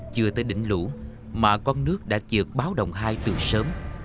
chưa tới đỉnh lũ mà con nước đã trượt báo đồng hai từ sớm